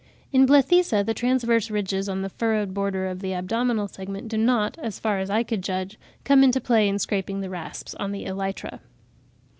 In Blethisa the transverse ridges on the furrowed border of the abdominal segment do not, as far as I could judge, come into play in scraping the rasps on the elytra.)